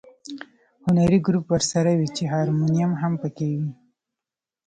هنري ګروپ ورسره وي چې هارمونیم هم په کې وي.